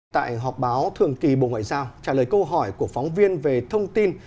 tại họp báo thường kỳ bộ ngoại giao trả lời câu hỏi của phóng viên về thông tin